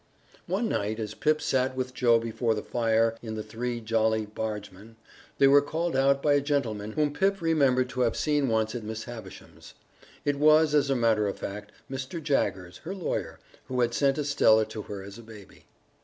One night, as Pip sat with Joe before the fire in The Three Jolly Bargemen, they were called out by a gentleman whom Pip remembered to have seen once at Miss Havisham's. It was, as a matter of fact, Mr. Jaggers, her lawyer, who had sent Estella to her as a baby.